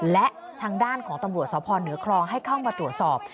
และทางด้านของตำรวจสพเหนือคลองให้เข้ามาตรวจสอบ